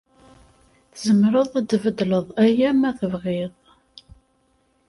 Tzemreḍ ad tbeddleḍ aya ma tebɣiḍ.